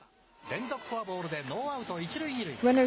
連続フォアボールでノーアウト１塁２塁。